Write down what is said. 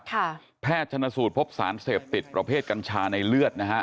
แพทย์ชนสูตรพบสารเสพติดประเภทกัญชาในเลือดนะฮะ